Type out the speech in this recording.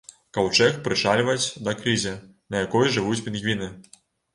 Каўчэг прычальваць да крызе, на якой жывуць пінгвіны.